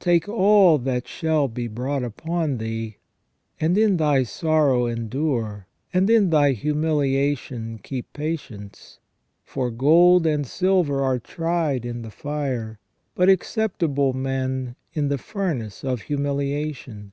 Take all that shall be brought upon thee : and in thy sorrow endure, and in thy humilia tion keep patience. For gold and silver are tried in the fire, but acceptable men in the furnace of humiliation.